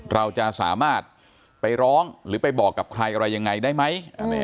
เราจะสามารถไปร้องหรือไปบอกกับใครอะไรยังไงได้ไหม